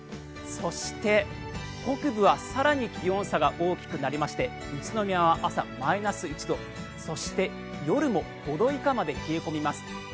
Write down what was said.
そして北部は更に気温差が大きくなりまして宇都宮は朝、マイナス１度そして夜も５度以下まで冷え込みます。